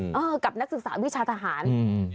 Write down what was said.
เออกับนักศึกษาวิชาทหารอืม